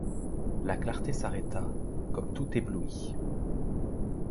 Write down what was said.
La clarté s’arrêta, comme tout éblouie.